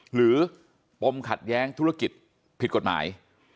ปมขัดแย้งธุรกิจผิดกฎหมาย